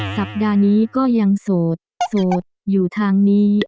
สัปดาห์นี้ก็ยังโสดโสดอยู่ทางนี้